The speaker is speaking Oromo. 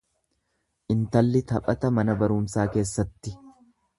Intalli taphata mana barumsaa keessatti.